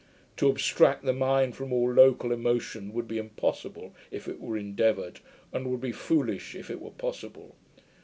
To abstract the mind from all local emotion would be impossible, if it were endeavoured, and would be foolish if it were possible.